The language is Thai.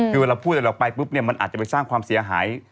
คือเวลาพูดอะไรออกไปปุ๊บเนี่ยมันอาจจะไปสร้างความเสียหาย